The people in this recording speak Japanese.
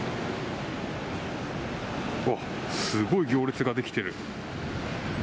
すごい行列が出来てる。